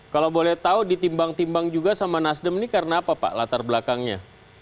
kalau boleh tahu ditimbang timbang juga sama nasdem ini karena apa pak latar belakangnya